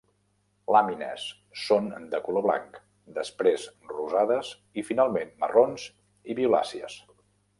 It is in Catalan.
Làmines: són de color blanc, després rosades i finalment marrons i violàcies.